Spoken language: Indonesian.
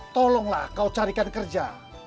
tolonglah kau carikan kerja